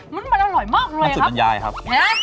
รู้สึกถึงความอร่อยมันอร่อยมากเลยครับ